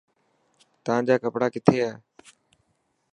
تان جا ڪپڙا ڪٿي هي.